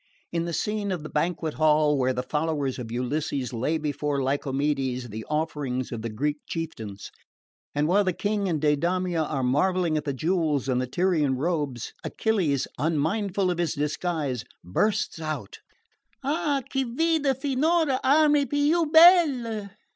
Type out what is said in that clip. In the scene of the banquet hall, where the followers of Ulysses lay before Lycomedes the offerings of the Greek chieftains, and, while the King and Deidamia are marvelling at the jewels and the Tyrian robes, Achilles, unmindful of his disguise, bursts out Ah, chi vide finora armi piu belle?